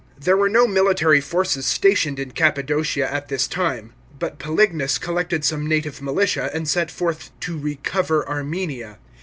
There were no military forces stationed in Cappadocia at this time, but Pselignus collected some native militia? and set forth "to recover Armenia."